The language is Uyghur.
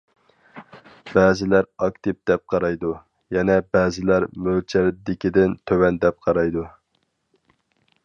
بەزىلەر ئاكتىپ دەپ قارايدۇ، يەنە بەزىلەر مۆلچەردىكىدىن تۆۋەن دەپ قارايدۇ.